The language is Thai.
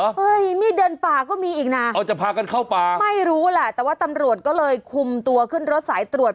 เฮ้ยมีเดินป่าก็มีอีกนะไม่รู้แหละแต่ว่าตำรวจก็เลยคุมตัวขึ้นรถสายตรวจ